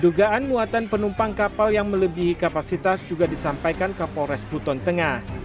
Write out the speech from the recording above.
dugaan muatan penumpang kapal yang melebihi kapasitas juga disampaikan kapolres buton tengah